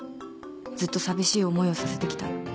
ずっと寂しい思いをさせてきた。